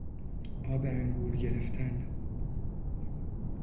آب انگور گرفتن